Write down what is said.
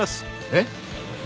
えっ？